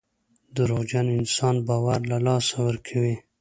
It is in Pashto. دروغجن انسان باور له لاسه ورکوي.